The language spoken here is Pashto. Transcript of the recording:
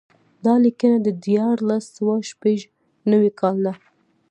دا لیکنه د دیارلس سوه شپږ نوي کال ده.